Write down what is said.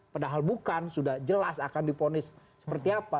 padahal bukan sudah jelas akan diponis seperti apa